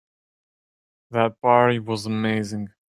That party was amazing.